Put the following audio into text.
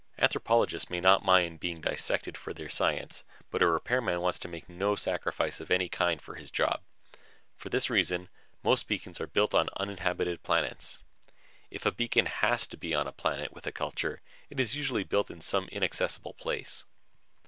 Anthropologists may not mind being dissected for their science, but a repairman wants to make no sacrifices of any kind for his job. For this reason, most beacons are built on uninhabited planets. If a beacon has to go on a planet with a culture, it is usually built in some inaccessible place.